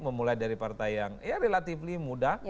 memulai dari partai yang ya relatively muda